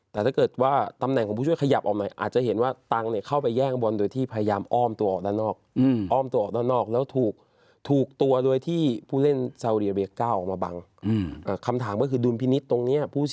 แต่ถ้าเกิดว่าตำแหน่งของผู้ช่วยขยับออกมาหน่อย